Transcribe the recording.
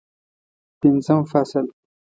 پنځم فصل